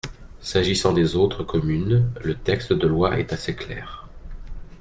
S’agissant des autres communes, le texte de loi est assez clair.